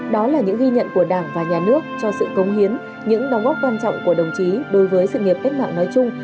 đó là những ghi nhận của đảng và nhà nước cho sự công hiến những đóng góp quan trọng của đồng chí đối với sự nghiệp cách mạng nói chung